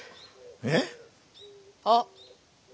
えっ？あっ。